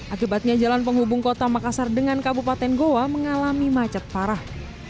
akibatnya jalan penghubung kota makassar dengan kabupaten goa mengalami macet parah